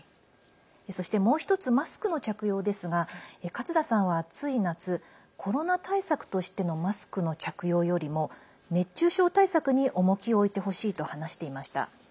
そして、もう１つマスクの着用ですが勝田さんは暑い夏コロナ対策としてのマスクの着用よりも熱中症対策に重きを置いてほしいと話していました。